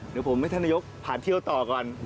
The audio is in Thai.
เดี๋ยวผมให้ท่านนายกผ่านเที่ยวต่อก่อน